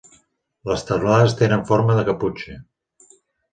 Les teulades tenen forma de caputxa.